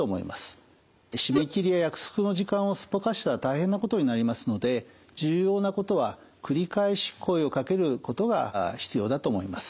締め切りや約束の時間をすっぽかしたら大変なことになりますので重要なことは繰り返し声をかけることが必要だと思います。